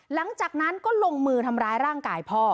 หลังจากนั้นก็ลงมือทำร้ายร่างกายพ่อ